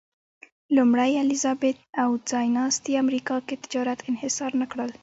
لومړۍ الیزابت او ځایناستي امریکا کې تجارت انحصار نه کړل.